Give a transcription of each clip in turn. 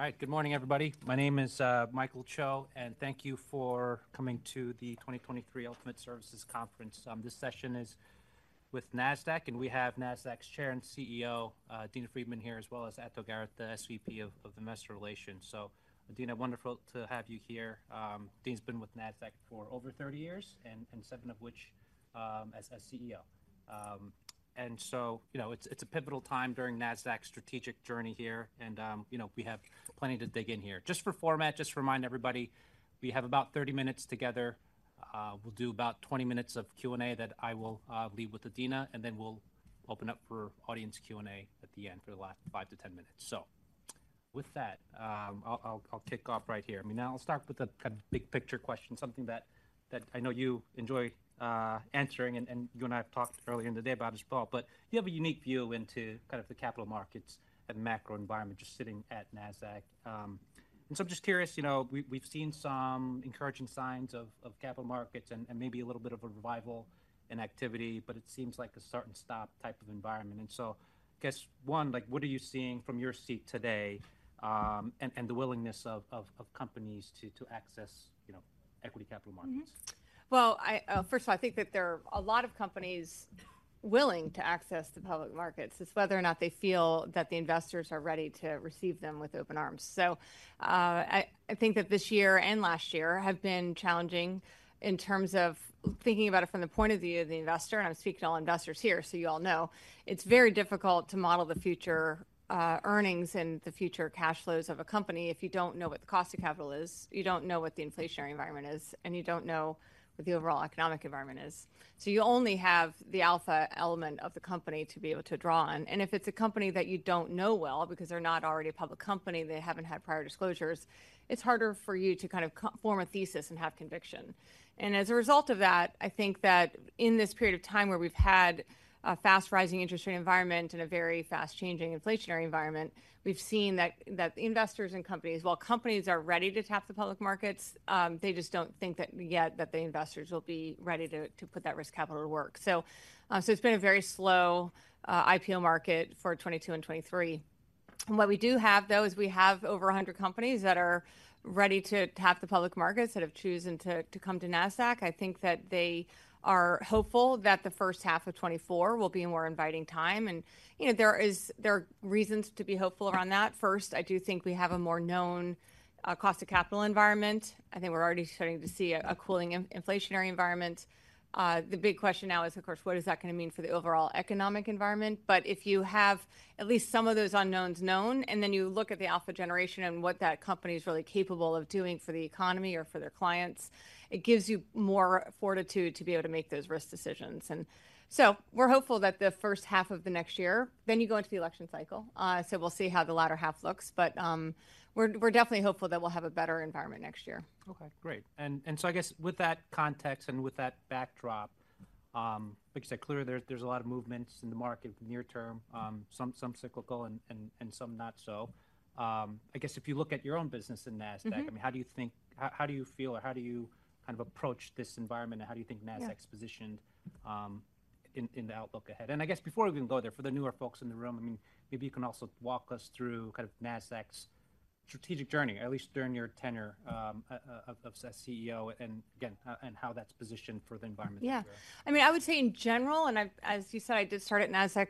All right. Good morning, everybody. My name is Michael Cho, and thank you for coming to the 2023 Ultimate Services Conference. This session is with Nasdaq, and we have Nasdaq's chair and CEO, Adena Friedman, here, as well as Ato Garrett, the SVP of Investor Relations. So, Adena, wonderful to have you here. Adena's been with Nasdaq for over 30 years, and seven of which as CEO. And so, you know, it's a pivotal time during Nasdaq's strategic journey here, and you know, we have plenty to dig in here. Just for format, just to remind everybody, we have about 30 minutes together. We'll do about 20 minutes of Q&A that I will leave with Adena, and then we'll open up for audience Q&A at the end for the last 5 minutes-10 minutes. So with that, I'll kick off right here. I mean, now I'll start with a kind of big-picture question, something that I know you enjoy answering, and you and I have talked earlier in the day about as well. But you have a unique view into kind of the capital markets and macro environment just sitting at Nasdaq. And so I'm just curious, you know, we've seen some encouraging signs of capital markets and maybe a little bit of a revival in activity, but it seems like a start-and-stop type of environment. And so I guess, one, like, what are you seeing from your seat today, and the willingness of companies to access, you know, equity capital markets? Mm-hmm. Well, first of all, I think that there are a lot of companies willing to access the public markets. It's whether or not they feel that the investors are ready to receive them with open arms. So, I think that this year and last year have been challenging in terms of thinking about it from the point of view of the investor, and I'm speaking to all investors here, so you all know, it's very difficult to model the future, earnings and the future cash flows of a company if you don't know what the cost of capital is, you don't know what the inflationary environment is, and you don't know what the overall economic environment is. So you only have the alpha element of the company to be able to draw on. If it's a company that you don't know well, because they're not already a public company, they haven't had prior disclosures, it's harder for you to kind of form a thesis and have conviction. And as a result of that, I think that in this period of time where we've had a fast-rising interest rate environment and a very fast-changing inflationary environment, we've seen that investors and companies, while companies are ready to tap the public markets, they just don't think that yet, that the investors will be ready to put that risk capital to work. So, it's been a very slow IPO market for 2022 and 2023. And what we do have, though, is we have over 100 companies that are ready to tap the public markets, that have chosen to come to Nasdaq. I think that they are hopeful that the first half of 2024 will be a more inviting time, and, you know, there are reasons to be hopeful around that. First, I do think we have a more known cost of capital environment. I think we're already starting to see a cooling inflationary environment. The big question now is, of course, what is that gonna mean for the overall economic environment? But if you have at least some of those unknowns known, and then you look at the alpha generation and what that company is really capable of doing for the economy or for their clients, it gives you more fortitude to be able to make those risk decisions. And so we're hopeful that the first half of the next year, then you go into the election cycle, so we'll see how the latter half looks, but we're definitely hopeful that we'll have a better environment next year. Okay, great. And so I guess with that context and with that backdrop, like you said, clearly, there's a lot of movements in the market near term, some cyclical and some not so. I guess if you look at your own business in Nasdaq, I mean, how do you think, how do you feel, or how do you kind of approach this environment? And how do you think Nasdaq is positioned in the outlook ahead? And I guess before we even go there, for the newer folks in the room, I mean, maybe you can also walk us through kind of Nasdaq's strategic journey, at least during your tenure as CEO, and again, and how that's positioned for the environment we're in. Yeah. I mean, I would say in general, and I've, as you said, I did start at Nasdaq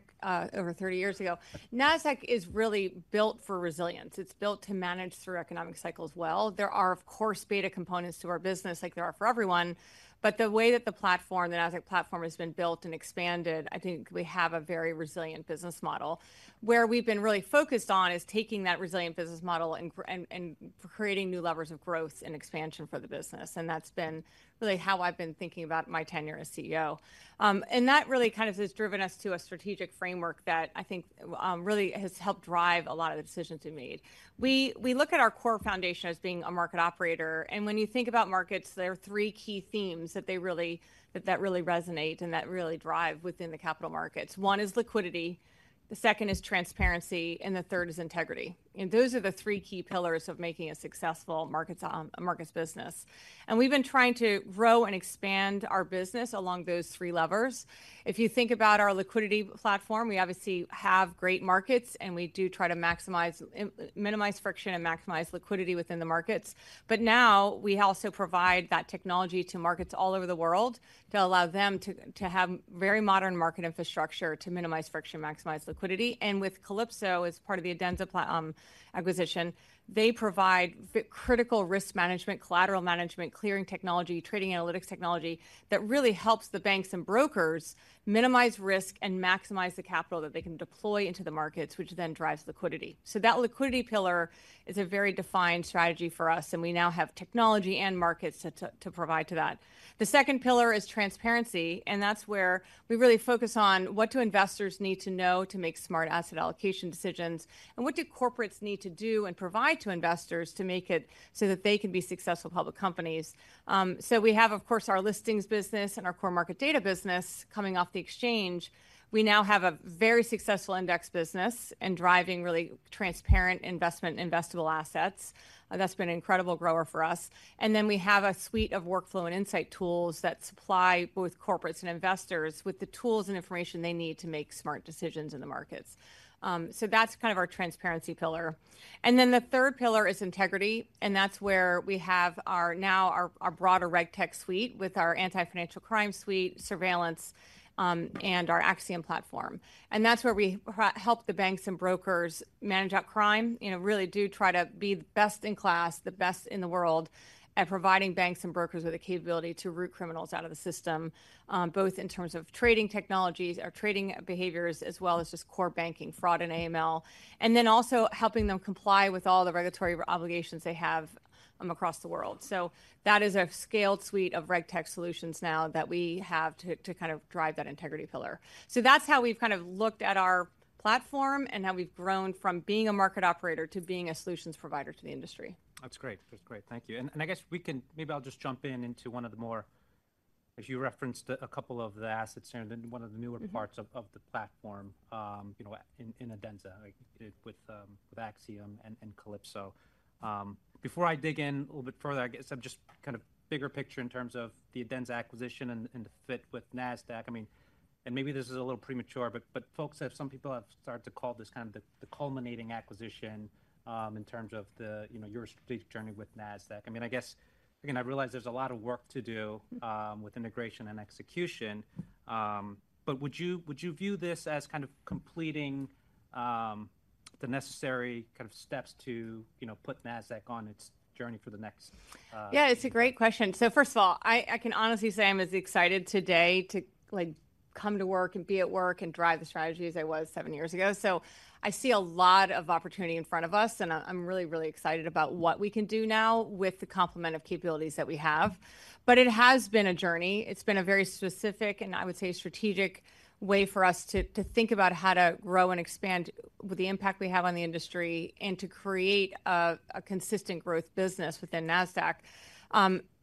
over 30 years ago. Nasdaq is really built for resilience. It's built to manage through economic cycles well. There are, of course, beta components to our business like there are for everyone, but the way that the platform, the Nasdaq platform, has been built and expanded, I think we have a very resilient business model. Where we've been really focused on is taking that resilient business model and creating new levers of growth and expansion for the business, and that's been really how I've been thinking about my tenure as CEO. And that really kind of has driven us to a strategic framework that I think really has helped drive a lot of the decisions we made. We look at our core foundation as being a market operator, and when you think about markets, there are three key themes that really resonate and that really drive within the capital markets. One is liquidity, the second is transparency, and the third is integrity. And those are the three key pillars of making a successful markets business. And we've been trying to grow and expand our business along those three levers. If you think about our liquidity platform, we obviously have great markets, and we do try to minimize friction and maximize liquidity within the markets. But now, we also provide that technology to markets all over the world to allow them to have very modern market infrastructure to minimize friction, maximize liquidity. And with Calypso, as part of the Adenza platform acquisition, they provide very critical risk management, collateral management, clearing technology, trading analytics technology, that really helps the banks and brokers minimize risk and maximize the capital that they can deploy into the markets, which then drives liquidity. So that liquidity pillar is a very defined strategy for us, and we now have technology and markets to provide to that. The second pillar is transparency, and that's where we really focus on what do investors need to know to make smart asset allocation decisions? And what do corporates need to do and provide to investors to make it so that they can be successful public companies? So we have, of course, our listings business and our core market data business coming off the exchange. We now have a very successful index business and driving really transparent investment, investable assets. That's been an incredible grower for us. And then we have a suite of workflow and insight tools that supply both corporates and investors with the tools and information they need to make smart decisions in the markets. So that's kind of our transparency pillar. And then the third pillar is integrity, and that's where we have our, now our, our broader RegTech suite with our Anti-Financial Crime suite surveillance, and our Axiom platform. And that's where we help the banks and brokers manage out crime, you know, really do try to be the best-in-class, the best in the world at providing banks and brokers with the capability to root criminals out of the system, both in terms of trading technologies or trading behaviors, as well as just core banking fraud and AML, and then also helping them comply with all the regulatory obligations they have, across the world. So that is a scaled suite of RegTech solutions now that we have to kind of drive that integrity pillar. So that's how we've kind of looked at our platform and how we've grown from being a market operator to being a solutions provider to the industry. That's great. That's great. Thank you. And, and I guess we can, maybe I'll just jump in into one of the more, as you referenced, a couple of the assets here, and then one of the newer parts of the platform, you know, in Adenza, like, with Axiom and Calypso. Before I dig in a little bit further, I guess I'm just kind of bigger picture in terms of the Adenza acquisition and the fit with Nasdaq. I mean, and maybe this is a little premature, but folks have, some people have started to call this kind of the culminating acquisition, in terms of the, you know, your strategic journey with Nasdaq. I mean, I guess, again, I realize there's a lot of work to do, with integration and execution, but would you view this as kind of completing the necessary kind of steps to, you know, put Nasdaq on its journey for the next. Yeah, it's a great question. So first of all, I can honestly say I'm as excited today to, like, come to work and be at work and drive the strategy as I was seven years ago. So I see a lot of opportunity in front of us, and I'm really, really excited about what we can do now with the complement of capabilities that we have. But it has been a journey. It's been a very specific, and I would say, a strategic way for us to think about how to grow and expand with the impact we have on the industry, and to create a consistent growth business within Nasdaq.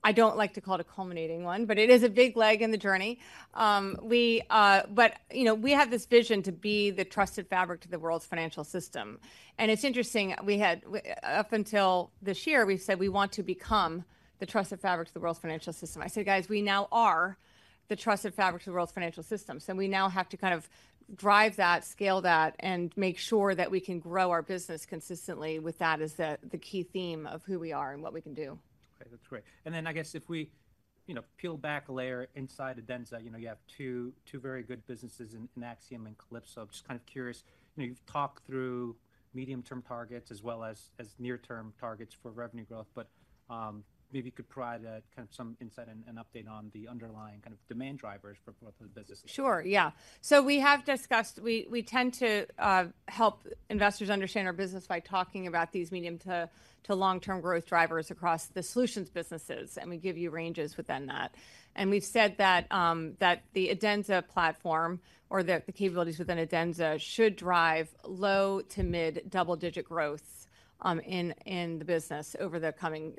I don't like to call it a culminating one, but it is a big leg in the journey. We have this vision to be the trusted fabric to the world's financial system. It's interesting, we had up until this year, we've said we want to become the trusted fabric to the world's financial system. I said, "Guys, we now are the trusted fabric to the world's financial system." We now have to kind of drive that, scale that, and make sure that we can grow our business consistently with that as the key theme of who we are and what we can do. Okay, that's great. And then I guess if we, you know, peel back a layer inside Adenza, you know, you have two, two very good businesses in, in Axiom and Calypso. Just kind of curious, you know, you've talked through medium-term targets as well as, as near-term targets for revenue growth, but maybe you could provide a kind of some insight and an update on the underlying kind of demand drivers for both of the businesses. Sure, yeah. So we have discussed, we tend to help investors understand our business by talking about these medium- to long-term growth drivers across the solutions businesses, and we give you ranges within that. And we've said that the Adenza platform, or the capabilities within Adenza, should drive low- to mid double-digit growth in the business over the coming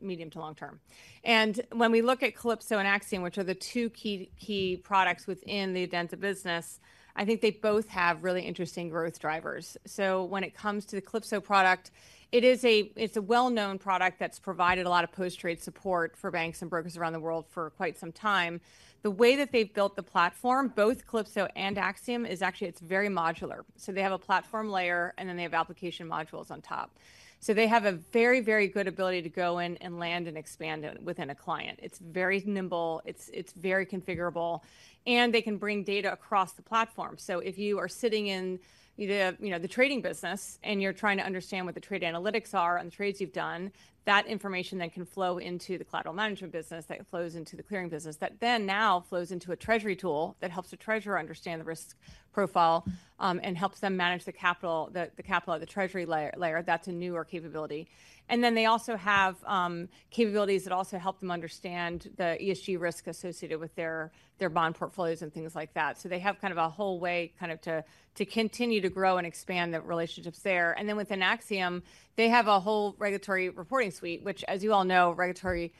medium- to long term. And when we look at Calypso and Axiom, which are the two key products within the Adenza business, I think they both have really interesting growth drivers. So when it comes to the Calypso product, it is. It's a well-known product that's provided a lot of post-trade support for banks and brokers around the world for quite some time. The way that they've built the platform, both Calypso and Axiom, is actually, it's very modular. So they have a platform layer, and then they have application modules on top. So they have a very, very good ability to go in and land and expand it within a client. It's very nimble, it's very configurable, and they can bring data across the platform. So if you are sitting in either, you know, the trading business, and you're trying to understand what the trade analytics are on the trades you've done, that information then can flow into the collateral management business, that flows into the clearing business, that then now flows into a treasury tool that helps the treasurer understand the risk profile, and helps them manage the capital, the capital of the treasury layer. That's a newer capability. And then they also have capabilities that also help them understand the ESG risk associated with their bond portfolios and things like that. So they have kind of a whole way kind of to continue to grow and expand the relationships there. And then with an Axiom, they have a whole regulatory reporting suite, which, as you all know, regulatory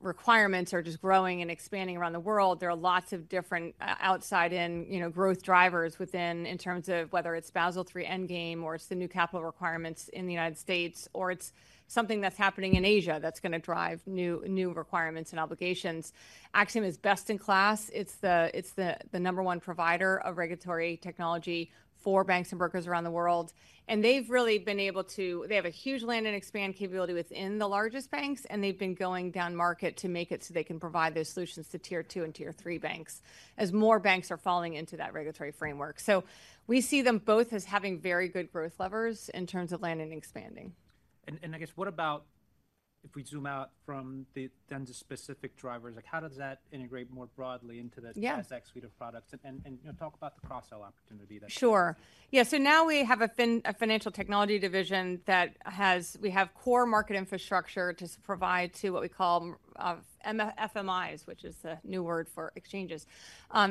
requirements are just growing and expanding around the world. There are lots of different outside in, you know, growth drivers within, in terms of whether it's Basel III Endgame, or it's the new capital requirements in the United States, or it's something that's happening in Asia that's gonna drive new requirements and obligations. Axiom is best in class. It's the number one provider of regulatory technology for banks and brokers around the world, and they've really been able to—they have a huge land and expand capability within the largest banks, and they've been going down market to make it so they can provide those solutions to Tier 2 and Tier 3 banks, as more banks are falling into that regulatory framework. So we see them both as having very good growth levers in terms of land and expanding. And, I guess, what about if we zoom out from the Adenza-specific drivers? Like, how does that integrate more broadly into the Nasdaq suite of products? And, and, you know, talk about the cross-sell opportunity there. Sure. Yeah, so now we have a Financial Technology division that has—we have core market infrastructure to provide to what we call FMIs, which is a new word for exchanges.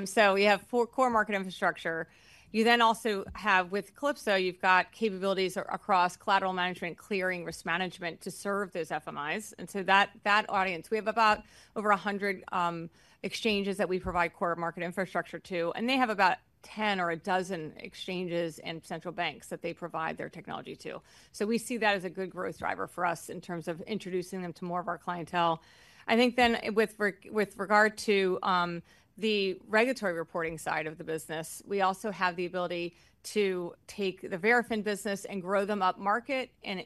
So we have four core market infrastructure. You then also have, with Calypso, you've got capabilities across collateral management, clearing, risk management to serve those FMIs, and so that audience. We have about over 100 exchanges that we provide core market infrastructure to, and they have about 10 exchanges or 12 exchanges and central banks that they provide their technology to. So we see that as a good growth driver for us in terms of introducing them to more of our clientele. I think then with regard to the regulatory reporting side of the business, we also have the ability to take the Verafin business and grow them up market, and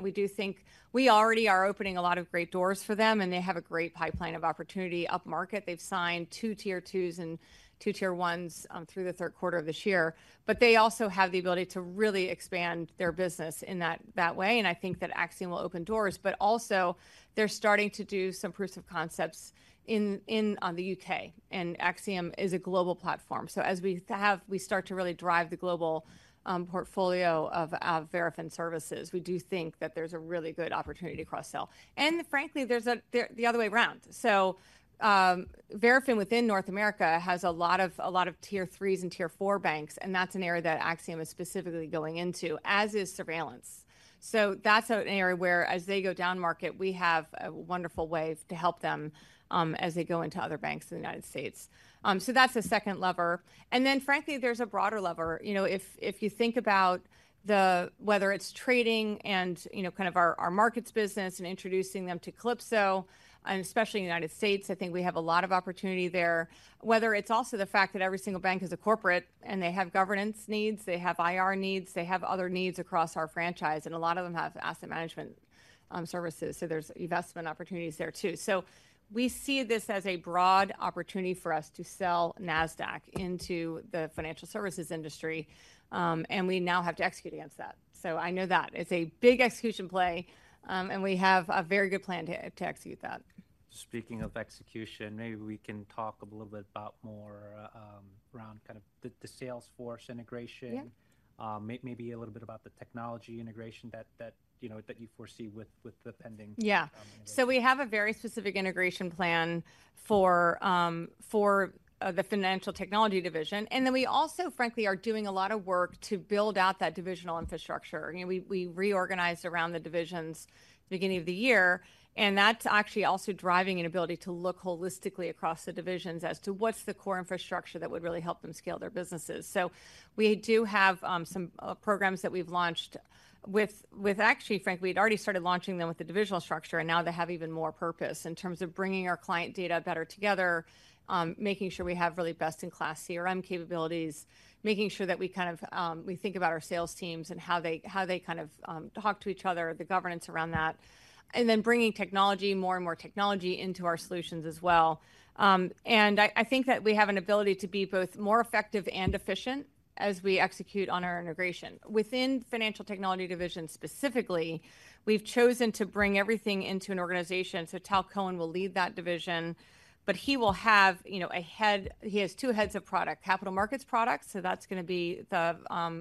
we do think we already are opening a lot of great doors for them, and they have a great pipeline of opportunity up market. They've signed two Tier 2s and two Tier 1s through the third quarter of this year. But they also have the ability to really expand their business in that way, and I think that Axiom will open doors. But also, they're starting to do some proofs of concepts in the U.K., and Axiom is a global platform. So we start to really drive the global portfolio of Verafin services, we do think that there's a really good opportunity to cross-sell. And frankly, there's the other way around. So, Verafin within North America has a lot of Tier 3s and Tier 4 banks, and that's an area that Axiom is specifically going into, as is surveillance. So that's an area where as they go down market, we have a wonderful way to help them as they go into other banks in the United States. So that's the second lever. And then, frankly, there's a broader lever. You know, if you think about the whether it's trading and, you know, kind of our markets business and introducing them to Calypso, and especially in the United States, I think we have a lot of opportunity there. Whether it's also the fact that every single bank is a corporate, and they have governance needs, they have IR needs, they have other needs across our franchise, and a lot of them have asset management services, so there's investment opportunities there too. So we see this as a broad opportunity for us to sell Nasdaq into the financial services industry, and we now have to execute against that. So I know that it's a big execution play, and we have a very good plan to execute that. Speaking of execution, maybe we can talk a little bit about more around kind of the Salesforce integration. Yeah. Maybe a little bit about the technology integration that, you know, that you foresee with the pending- Yeah. So we have a very specific integration plan for the Financial Technology division. And then we also, frankly, are doing a lot of work to build out that divisional infrastructure. You know, we reorganized around the divisions beginning of the year, and that's actually also driving an ability to look holistically across the divisions as to what's the core infrastructure that would really help them scale their businesses. So we do have some programs that we've launched with actually, frankly, we'd already started launching them with the divisional structure, and now they have even more purpose in terms of bringing our client data better together, making sure we have really best-in-class CRM capabilities, making sure that we think about our sales teams and how they, how they kind of talk to each other, the governance around that, and then bringing technology, more and more technology into our solutions as well. I think that we have an ability to be both more effective and efficient as we execute on our integration. Within Financial Technology division specifically, we've chosen to bring everything into an organization, so Tal Cohen will lead that division, but he will have, you know, a head—he has two heads of product, capital markets products, so that's gonna be the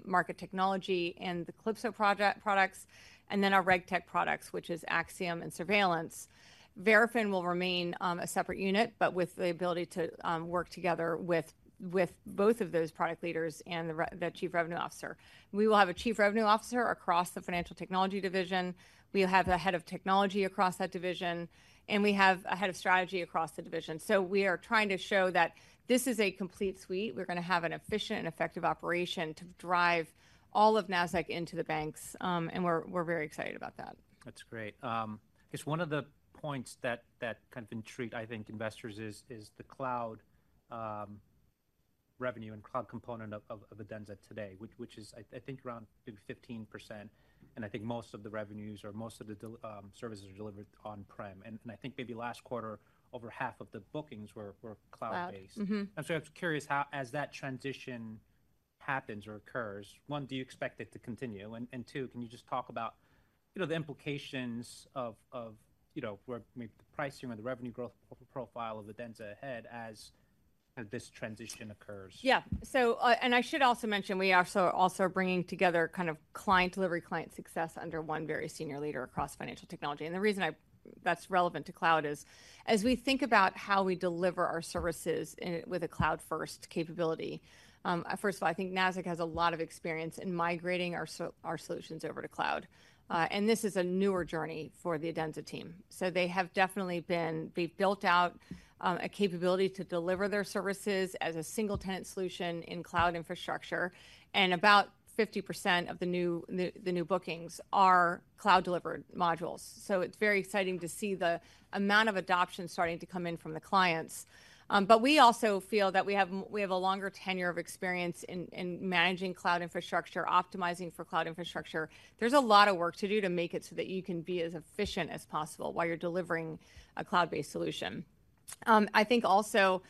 market technology and the Calypso products, and then our RegTech products, which is Axiom and Surveillance. Verafin will remain a separate unit, but with the ability to work together with both of those product leaders and the chief revenue officer. We will have a chief revenue officer across the Financial Technology division, we'll have the head of technology across that division, and we have a head of strategy across the division. So we are trying to show that this is a complete suite. We're gonna have an efficient and effective operation to drive all of Nasdaq into the banks, and we're very excited about that. That's great. I guess one of the points that kind of intrigue, I think, investors is the cloud revenue and cloud component of Adenza today, which is, I think, around maybe 15%, and I think most of the revenues or most of the services are delivered on-prem. And I think maybe last quarter, over half of the bookings were cloud-based. Cloud. Mm-hmm. And so I'm just curious how, as that transition happens or occurs, one, do you expect it to continue? And two, can you just talk about, you know, the implications of, you know, where maybe the pricing or the revenue growth profile of Adenza ahead as this transition occurs? Yeah. So, and I should also mention, we are also bringing together kind of client delivery, client success under one very senior leader across Financial Technology. And the reason I—that's relevant to cloud is, as we think about how we deliver our services in, with a cloud-first capability, first of all, I think Nasdaq has a lot of experience in migrating our solutions over to cloud. And this is a newer journey for the Adenza team. So they have definitely been. They've built out, a capability to deliver their services as a single tenant solution in cloud infrastructure, and about 50% of the new bookings are cloud-delivered modules. So it's very exciting to see the amount of adoption starting to come in from the clients. But we also feel that we have a longer tenure of experience in managing cloud infrastructure, optimizing for cloud infrastructure. There's a lot of work to do to make it so that you can be as efficient as possible while you're delivering a cloud-based solution. I think also,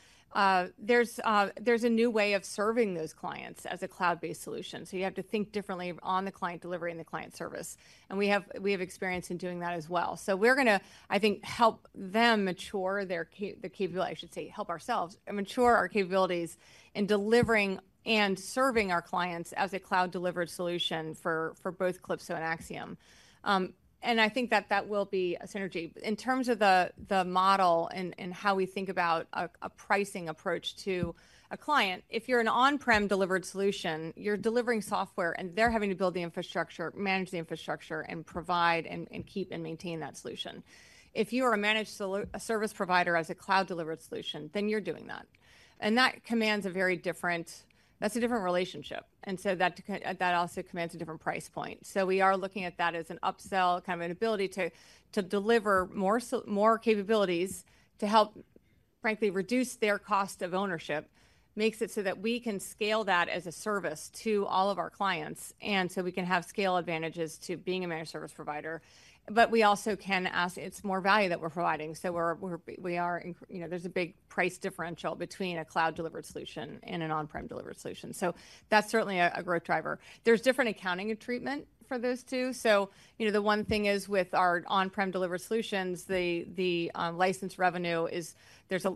there's a new way of serving those clients as a cloud-based solution. So you have to think differently on the client delivery and the client service, and we have experience in doing that as well. So we're gonna, I think, help them mature their, I should say, help ourselves and mature our capabilities in delivering and serving our clients as a cloud-delivered solution for both Calypso and Axiom. And I think that that will be a synergy. In terms of the model and how we think about a pricing approach to a client, if you're an on-prem delivered solution, you're delivering software, and they're having to build the infrastructure, manage the infrastructure, and provide and keep and maintain that solution. If you are a managed service provider as a cloud-delivered solution, then you're doing that. And that commands a very different that's a different relationship, and so that also commands a different price point. So we are looking at that as an upsell, kind of, an ability to deliver more capabilities to help, frankly, reduce their cost of ownership, makes it so that we can scale that as a service to all of our clients, and so we can have scale advantages to being a managed service provider. But we also can ask—it's more value that we're providing, so you know, there's a big price differential between a cloud-delivered solution and an on-prem delivered solution. So that's certainly a growth driver. There's different accounting and treatment for those two. So, you know, the one thing is, with our on-prem delivered solutions, license revenue is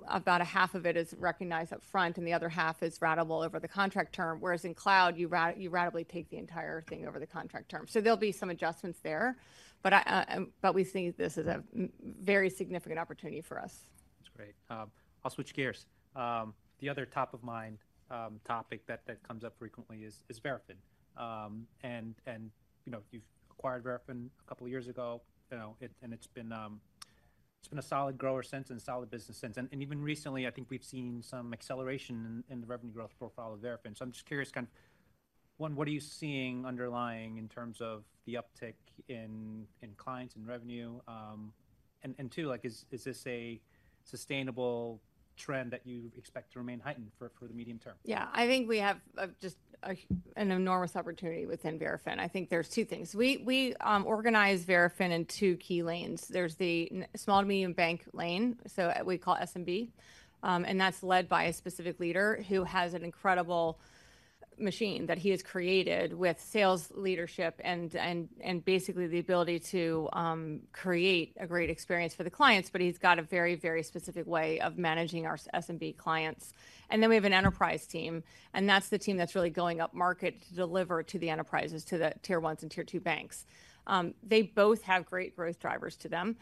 about a half of it is recognized up front, and the other half is ratable over the contract term, whereas in cloud, you ratably take the entire thing over the contract term. So there'll be some adjustments there, but we see this as a very significant opportunity for us. That's great. I'll switch gears. The other top-of-mind topic that comes up frequently is Verafin. And you know, you've acquired Verafin a couple of years ago, you know, it and it's been a solid grower since and a solid business since. And even recently, I think we've seen some acceleration in the revenue growth profile of Verafin. So I'm just curious, kind of, one, what are you seeing underlying in terms of the uptick in clients and revenue? And two, like, is this a sustainable trend that you expect to remain heightened for the medium term? Yeah. I think we have a just an enormous opportunity within Verafin. I think there's two things. We organize Verafin in two key lanes. There's the small to medium bank lane, so we call it SMB, and that's led by a specific leader who has an incredible machine that he has created with sales leadership and basically the ability to create a great experience for the clients, but he's got a very very specific way of managing our SMB clients. And then we have an enterprise team, and that's the team that's really going upmarket to deliver to the enterprises, to the tier one and tier two banks. They both have great growth drivers to them.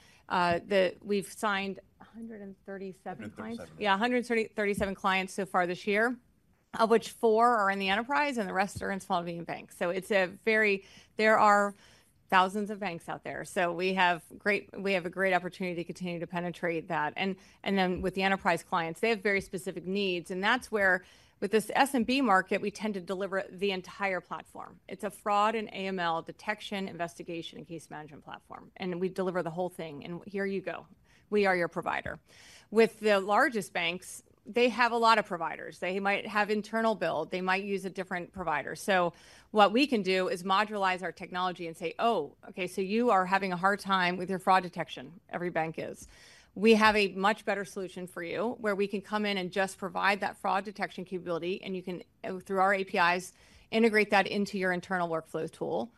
We've signed 137 clients? Yeah, 137 clients so far this year, of which four are in the enterprise, and the rest are in small and medium banks. So, there are thousands of banks out there, so we have a great opportunity to continue to penetrate that. And then with the enterprise clients, they have very specific needs, and that's where with this SMB market, we tend to deliver the entire platform. It's a fraud and AML detection, investigation, and case management platform, and we deliver the whole thing, and here you go. We are your provider. With the largest banks, they have a lot of providers. They might have internal build. They might use a different provider. So what we can do is modularize our technology and say, "Oh, okay, so you are having a hard time with your fraud detection." Every bank is. We have a much better solution for you, where we can come in and just provide that fraud detection capability, and you can through our APIs, integrate that into your internal workflow tool.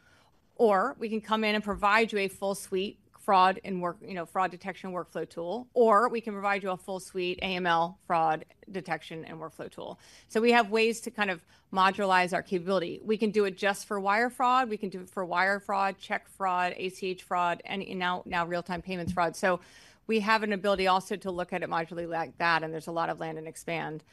Or we can come in and provide you a full suite fraud and work, you know, fraud detection workflow tool, or we can provide you a full suite AML fraud detection and workflow tool. So we have ways to kind of modularize our capability. We can do it just for wire fraud. We can do it for wire fraud, check fraud, ACH fraud, and now real-time payments fraud. So we have an ability also to look at it modularly like that, and there's a lot of land and expand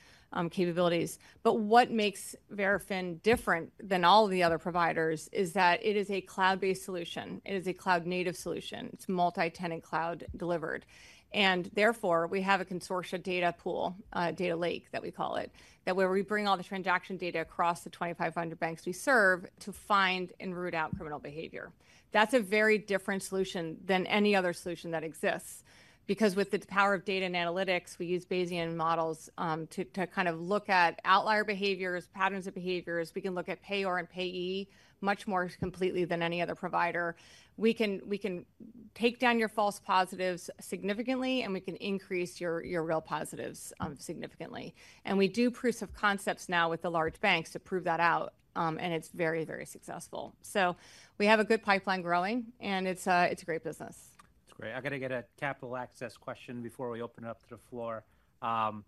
capabilities. But what makes Verafin different than all the other providers is that it is a cloud-based solution. It is a cloud-native solution. It's multi-tenant cloud delivered, and therefore, we have a consortia data pool, data lake that we call it, that where we bring all the transaction data across the 2,500 banks we serve to find and root out criminal behavior. That's a very different solution than any other solution that exists. Because with the power of data and analytics, we use Bayesian models to kind of look at outlier behaviors, patterns of behaviors. We can look at payer and payee much more completely than any other provider. We can, we can take down your false positives significantly, and we can increase your, your real positives significantly. And we do proofs of concepts now with the large banks to prove that out, and it's very, very successful. So we have a good pipeline growing, and it's, it's a great business. It's great. I've got to get a capital access question before we open it up to the floor. So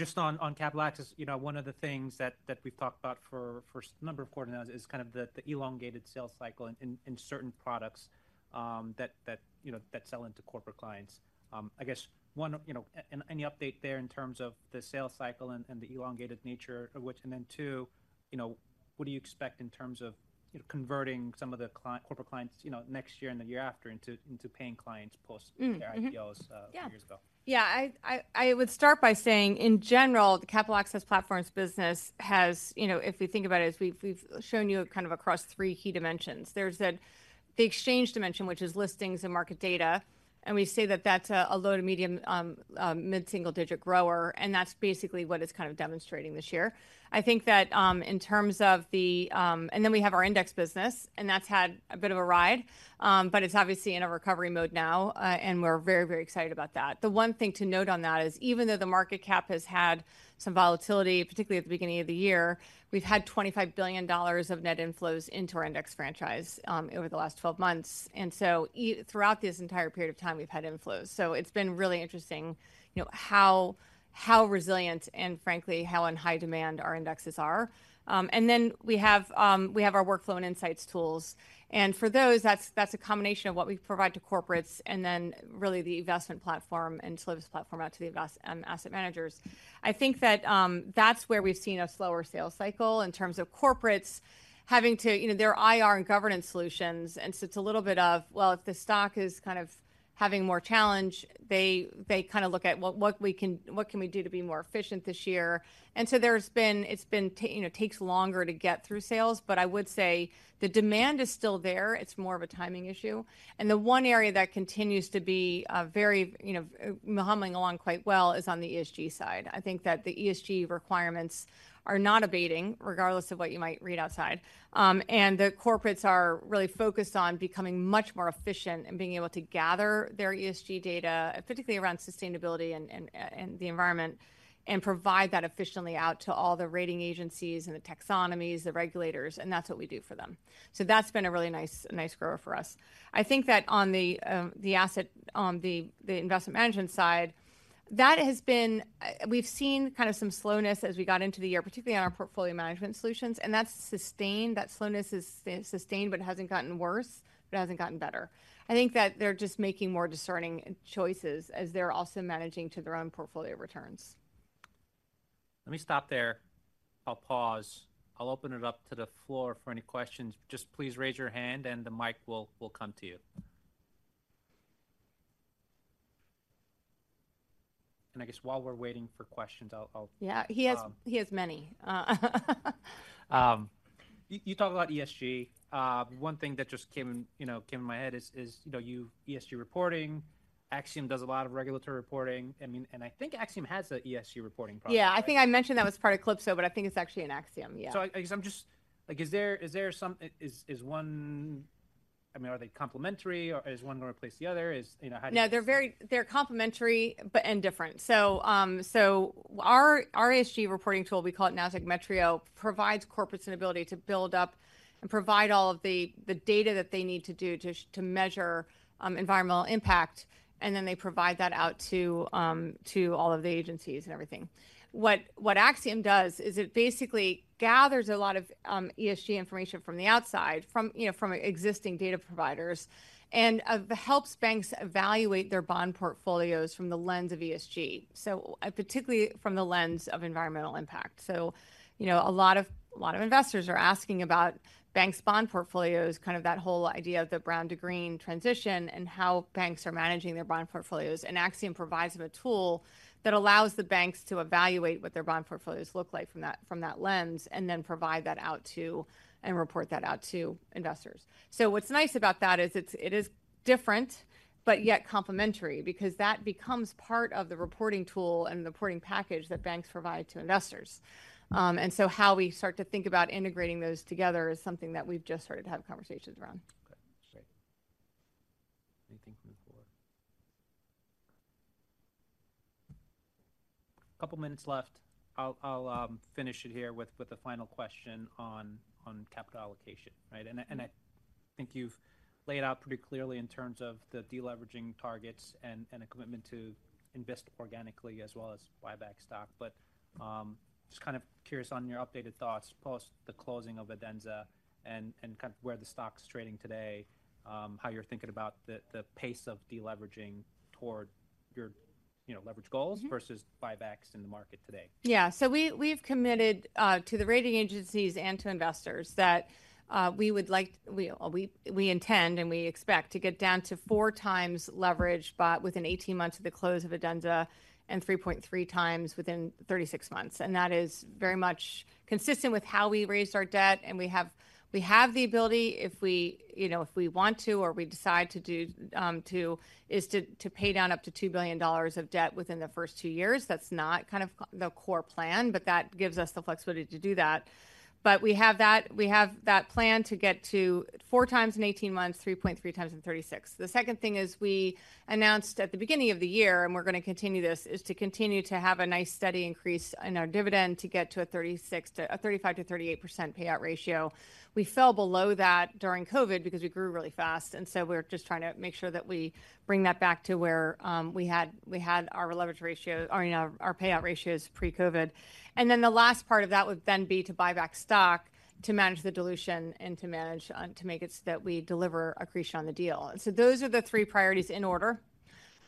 just on capital access, you know, one of the things that we've talked about for a number of quarter now is kind of the elongated sales cycle in certain products that you know that sell into corporate clients. I guess, one, you know, any update there in terms of the sales cycle and the elongated nature of which—and then two, you know, what do you expect in terms of, you know, converting some of the corporate clients, you know, next year and the year after into paying clients post their IPOs a few years ago? Yeah, I would start by saying, in general, the Capital Access Platforms business has, you know, if we think about it, is we've shown you kind of across three key dimensions. There's the exchange dimension, which is listings and market data, and we say that that's a low to medium mid-single-digit grower, and that's basically what it's kind of demonstrating this year. I think that in terms of the—and then we have our index business, and that's had a bit of a ride, but it's obviously in a recovery mode now, and we're very, very excited about that. The one thing to note on that is, even though the market cap has had some volatility, particularly at the beginning of the year, we've had $25 billion of net inflows into our index franchise over the last 12 months. And so throughout this entire period of time, we've had inflows. So it's been really interesting, you know, how resilient and frankly, how in high demand our indexes are. And then we have our workflow and insights tools, and for those, that's a combination of what we provide to corporates and then really the investment platform and service platform out to the asset managers. I think that, that's where we've seen a slower sales cycle in terms of corporates having to, you know, their IR and governance solutions. And so it's a little bit of, well, if the stock is kind of having more challenge, they kind of look at what we can do to be more efficient this year? And so there's been, it's been, you know, takes longer to get through sales, but I would say the demand is still there. It's more of a timing issue. And the one area that continues to be very, you know, humming along quite well is on the ESG side. I think that the ESG requirements are not abating, regardless of what you might read outside. And the corporates are really focused on becoming much more efficient in being able to gather their ESG data, particularly around sustainability and the environment, and provide that efficiently out to all the rating agencies and the taxonomies, the regulators, and that's what we do for them. So that's been a really nice grower for us. I think that on the investment management side, that has been, we've seen kind of some slowness as we got into the year, particularly on our portfolio management solutions, and that's sustained. That slowness is sustained, but it hasn't gotten worse, but it hasn't gotten better. I think that they're just making more discerning choices as they're also managing to their own portfolio returns. Let me stop there. I'll pause. I'll open it up to the floor for any questions. Just please raise your hand, and the mic will come to you. And I guess while we're waiting for questions, I'll- Yeah, he has, he has many, You talk about ESG. One thing that just came in, you know, came in my head is, you know, ESG reporting. Axiom does a lot of regulatory reporting, I mean, and I think Axiom has an ESG reporting program. Yeah, I think I mentioned that was part of Calypso, but I think it's actually in Axiom. Yeah. So I guess I'm just—are they complementary, or does one replace the other? Is, you know, how- No, they're very complementary but and different. So, our ESG reporting tool, we call it Nasdaq Metrio, provides corporates an ability to build up and provide all of the data that they need to do to measure environmental impact, and then they provide that out to all of the agencies and everything. What Axiom does is it basically gathers a lot of ESG information from the outside, from, you know, from existing data providers, and helps banks evaluate their bond portfolios from the lens of ESG, so particularly from the lens of environmental impact. So, you know, a lot of investors are asking about banks' bond portfolios, kind of that whole idea of the brown to green transition and how banks are managing their bond portfolios. And Axiom provides them a tool that allows the banks to evaluate what their bond portfolios look like from that, from that lens, and then provide that out to, and report that out to investors. So what's nice about that is it's, it is different, but yet complementary, because that becomes part of the reporting tool and the reporting package that banks provide to investors. And so how we start to think about integrating those together is something that we've just started to have conversations around. Okay, great. Anything to move forward? Couple minutes left. I'll finish it here with a final question on capital allocation, right? Mm-hmm. I think you've laid out pretty clearly in terms of the deleveraging targets and a commitment to invest organically as well as buy back stock. But just kind of curious on your updated thoughts, post the closing of Adenza and kind of where the stock's trading today, how you're thinking about the pace of deleveraging toward your, you know, leverage goals versus buybacks in the market today. Yeah. So we've committed to the rating agencies and to investors that we would like—we intend and we expect to get down to 4x leverage, but within 18 months of the close of Adenza and 3.3x within 36 months. And that is very much consistent with how we raised our debt, and we have the ability, if we, you know, if we want to or we decide to do, to pay down up to $2 billion of debt within the first 2 years. That's not kind of the core plan, but that gives us the flexibility to do that. But we have that plan to get to 4 times in 18 months, 3.3x in 36. The second thing is, we announced at the beginning of the year, and we're gonna continue this, is to continue to have a nice, steady increase in our dividend to get to a 35%-38% payout ratio. We fell below that during COVID because we grew really fast, and so we're just trying to make sure that we bring that back to where we had our leverage ratio, or you know, our payout ratios pre-COVID. And then the last part of that would then be to buy back stock, to manage the dilution and to manage to make it so that we deliver accretion on the deal. So those are the three priorities in order.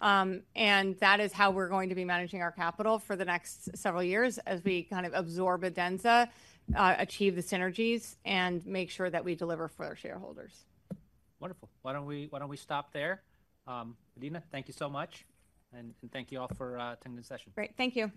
That is how we're going to be managing our capital for the next several years as we kind of absorb Adenza, achieve the synergies, and make sure that we deliver for our shareholders. Wonderful. Why don't we stop there? Adena, thank you so much, and thank you all for attending the session. Great. Thank you.